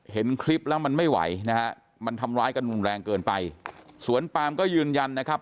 เห็นคลิปแล้วมันไม่ไหวนะฮะมันทำร้ายกันรุนแรงเกินไปสวนปามก็ยืนยันนะครับ